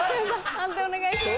判定お願いします。